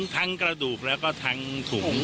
กระดูกแล้วก็ทั้งถุง